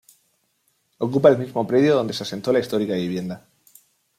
Ocupa el mismo predio donde se asentó la histórica vivienda.